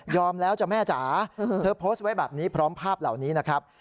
แล้วจ้ะแม่จ๋าเธอโพสต์ไว้แบบนี้พร้อมภาพเหล่านี้นะครับ